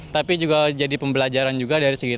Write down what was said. tapi juga jadi pembelajaran juga dari segi